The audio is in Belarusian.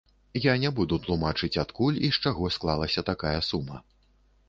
Я не буду тлумачыць, адкуль і з чаго, склалася такая сума.